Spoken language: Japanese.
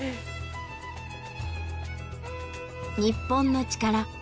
『日本のチカラ』